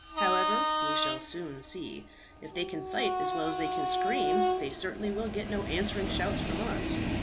However, we shall soon see. If they can fight as well as they can scream, they certainly will get no answering shouts from us.